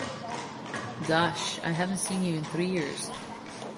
Gosh I haven't seen you in three years.